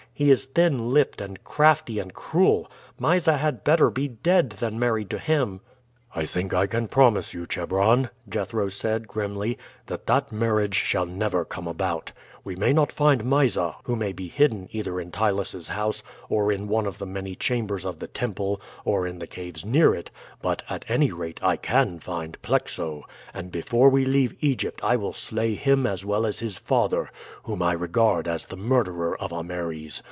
He is thin lipped and crafty and cruel. Mysa had better be dead than married to him." "I think I can promise you, Chebron," Jethro said grimly, "that that marriage shall never come about. We may not find Mysa, who may be hidden either in Ptylus' house, or in one of the many chambers of the temple, or in the caves near it; but, at any rate, I can find Plexo, and before we leave Egypt I will slay him as well as his father, whom I regard as the murderer of Ameres.